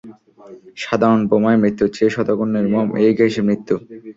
সাধারণ বোমায় মৃত্যুর চেয়ে শতগুণ নির্মম এই গ্যাসে মৃত্যু।